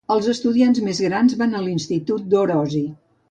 Els estudiants més grans van a l'Institut d'Orosi.